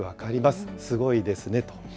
すごいですねと。